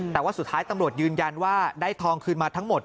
แต่ว่าสุดท้ายตำรวจยืนยันว่าได้ทองคืนมาทั้งหมด